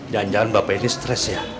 jangan jangan bapak ini stres ya